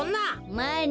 まあね。